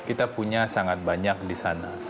kita punya sangat banyak di sana